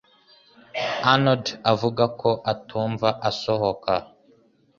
Arnaud avuga ko atumva asohoka.